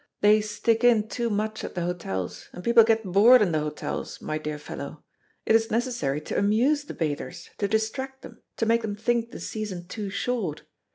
They stick in too much at the hotels; and people get bored in the hotels, my dear fellow. It is necessary to amuse the bathers, to distract them, to make them think the season too short.